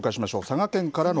佐賀県からの。